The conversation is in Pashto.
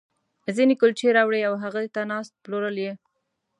ځينې کُلچې راوړي او هغې ته ناست، پلورل یې.